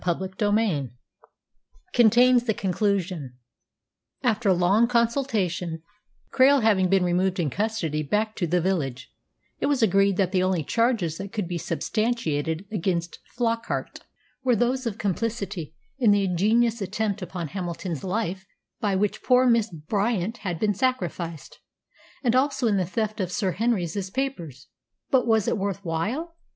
CHAPTER XXXIX CONTAINS THE CONCLUSION After long consultation Krail having been removed in custody back to the village it was agreed that the only charges that could be substantiated against Flockart were those of complicity in the ingenious attempt upon Hamilton's life by which poor Miss Bryant had been sacrificed, and also in the theft of Sir Henry's papers. But was it worth while?